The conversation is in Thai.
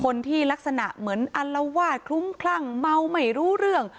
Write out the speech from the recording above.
คนที่ลักษณะเหมือนอัลวาดคลุ้มคลั่งเมาไม่รู้เรื่อง